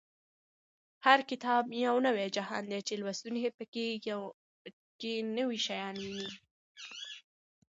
هر کتاب یو نوی جهان دی چې لوستونکی په کې نوي شیان ویني.